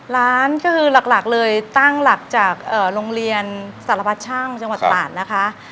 ร้านก็คือหลักเลยตั้งหลักจากโรงเรียนสารพัดช่างจังหวัดตราดนะคะ